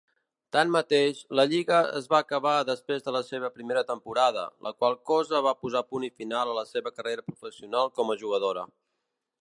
Tanmateix, la lliga es va acabar després de la seva primera temporada, la qual cosa va posar punt i final a la seva carrera professional com a jugadora.